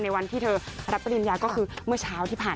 วันที่เธอรับปริญญาก็คือเมื่อเช้าที่ผ่าน